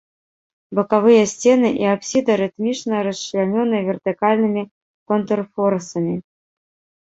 Бакавыя сцены і апсіда рытмічна расчлянёныя вертыкальнымі контрфорсамі.